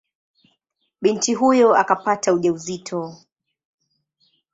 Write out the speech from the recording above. Binti huyo akapata ujauzito.